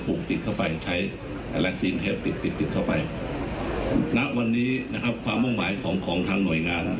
ผูกติดเข้าไปใช้แฮปปีกติดติดเข้าไปณวันนี้นะครับความมุ่งหมายของของทางหน่วยงาน